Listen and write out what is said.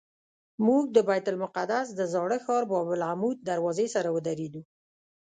موږ د بیت المقدس د زاړه ښار باب العمود دروازې سره ودرېدو.